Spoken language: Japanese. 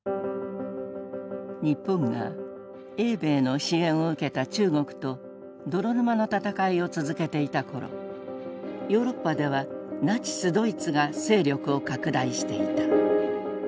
日本が英米の支援を受けた中国と泥沼の戦いを続けていた頃ヨーロッパではナチス・ドイツが勢力を拡大していた。